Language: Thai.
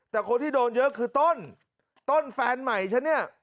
แต่คนที่โดนเยอะคือต้นต้นแฟนใหม่ฉันเนี่ย